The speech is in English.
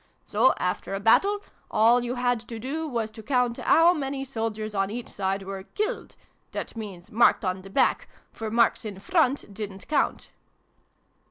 So, after a battle, all you had to do was to count how many soldiers on each side were ' killed ' that means ' marked on the back? for marks in front didn't count."